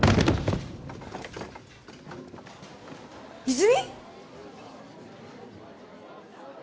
泉？